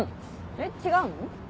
えっ違うの？